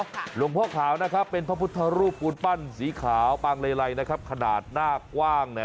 ค่ะหลวงพ่อขาวเป็นพระพุทธรูปภูมิปั้นสีขาวปางลัยขนาดหน้ากว้าง